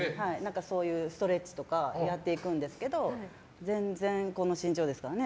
ストレッチとかやっていくんですけど全然この身長ですからね。